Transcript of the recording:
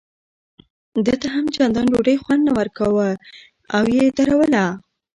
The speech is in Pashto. ده ته هم چندان ډوډۍ خوند نه ورکاوه او یې ودروله.